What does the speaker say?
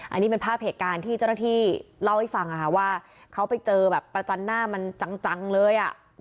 อันนี้เป็นภาพเหตุการณ์ที่เจ้าหน้าที่เล่าให้ฟังว่าเขาไปเจอแบบประจันหน้ามันจังเลย